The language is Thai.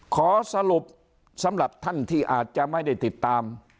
ขอสรุปสำหรับท่านที่อาจจะไม่ได้ติดตาม